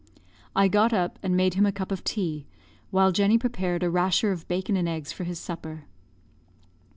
I got up and made him a cup of tea, while Jenny prepared a rasher of bacon and eggs for his supper.